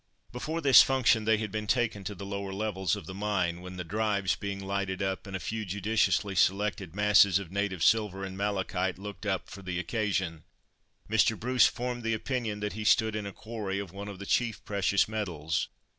Before this function they had been taken to the lower levels of the mine, when the "drives" being lighted up, and a few judiciously selected masses of "native silver" and malachite looked up for the occasion, Mr. Bruce formed the opinion that he stood in a "quarry" of one of the chief precious metals.